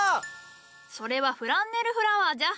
それはフランネルフラワーじゃ。